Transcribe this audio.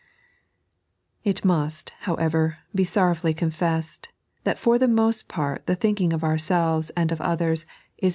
It must, however, be sorrowfully confessed that for the most part the thinking of ourselves and of others is not 3.